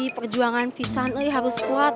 perjuangan fisan eh harus kuat